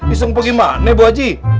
istirahat apa gimana bu haji